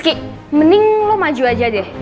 ki mending lo maju aja deh